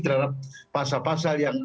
terhadap pasal pasal yang